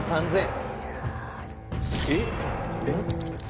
えっ？